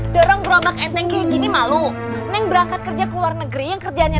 dorong berontak enteng kayak gini malu neng berangkat kerja ke luar negeri yang kerjaannya